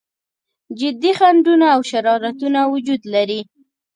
جدي خنډونه او شرارتونه وجود لري.